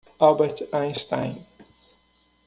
Albert Einstein.